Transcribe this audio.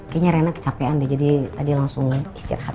kayanya reina kecapean deh jadi tadi langsung istirahat